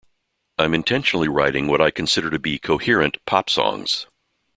I'm intentionally writing what I consider to be coherent "pop" songs".